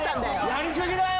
やりすぎだよ。